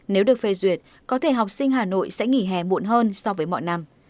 nếu được phê duyệt có thể học sinh hà nội sẽ nghỉ hè muộn hơn so với mọi năm